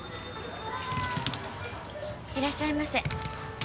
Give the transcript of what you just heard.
いらっしゃいませ。